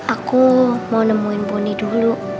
aku mau nemuin boni dulu